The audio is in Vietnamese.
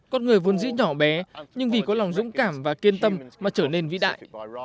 con người vốn dĩ nhỏ bé nhưng vì có lòng dũng cảm và kiên tâm mà trở nên vĩ đại